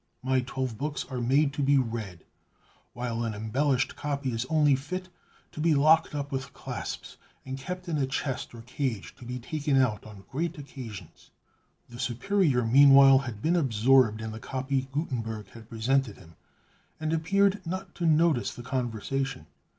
My twelve books are made to be read; while an embellished copy is only fit to be locked up with clasps, and kept in a chest or cage, to be taken out on great occasions." The Superior meanwhile had been absorbed in the copy Gutenberg had presented him, and appeared not to notice the conversation.